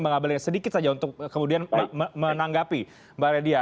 bang abalin sedikit saja untuk kemudian menanggapi mbak reddy